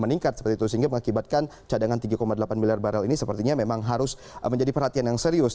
meningkat seperti itu sehingga mengakibatkan cadangan tiga delapan miliar barrel ini sepertinya memang harus menjadi perhatian yang serius